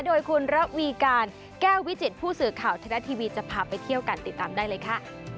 โดยคุณระวีการแก้ววิจิตผู้สื่อข่าวไทยรัฐทีวีจะพาไปเที่ยวกันติดตามได้เลยค่ะ